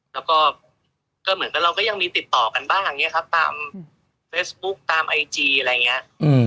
แล้วก็ก็เหมือนกับเราก็ยังมีติดต่อกันบ้างอย่างนี้ครับตามเฟซบุ๊คตามไอจีอะไรอย่างนี้